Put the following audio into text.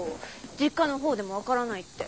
実家のほうでも分からないって。